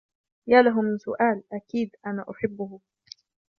يا له من سؤال. أكيد أنا أحبه.